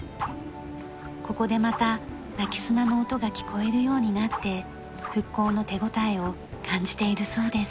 ここでまた鳴き砂の音が聞こえるようになって復興の手応えを感じているそうです。